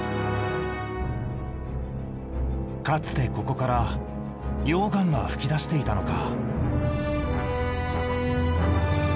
かつてここから溶岩が噴き出していたのか。